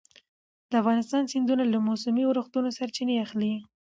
د افغانستان سیندونه له موسمي اورښتونو سرچینه اخلي.